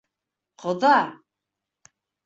Ҡоҙа!